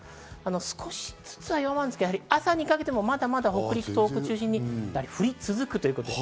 少しずつ弱まるんですが、朝にかけてもまだまだ北陸、東北を中心に降り続くということです。